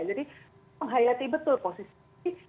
jadi menghayati betul posisi